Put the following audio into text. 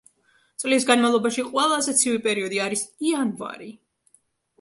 წლის განმავლობაში ყველაზე ცივი პერიოდი არის იანვარი.